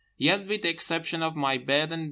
Yet with the exception of my bed and B.